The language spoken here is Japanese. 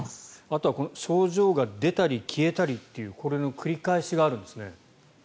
あとは症状が出たり消えたりというこの繰り返しがあるんですね。